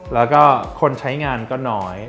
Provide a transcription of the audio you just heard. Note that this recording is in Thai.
แล้วก็คนใช้งานก็น้อย